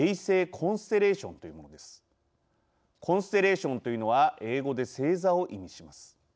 コンステレーションというのは英語で星座を意味します。